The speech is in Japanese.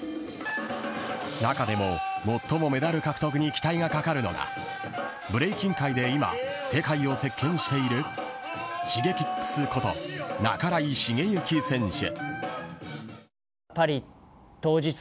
中でも、最もメダル獲得に期待がかかるのがブレイキン界で今、世界を席巻しているＳｈｉｇｅｋｉｘこと半井重幸選手。